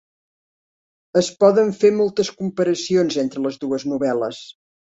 Es poden fer moltes comparacions entre les dues novel·les.